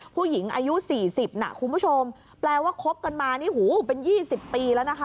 ผู้หญิงอายุ๔๐น่ะคุณผู้ชมแปลว่าคบกันมานี่หูเป็น๒๐ปีแล้วนะคะ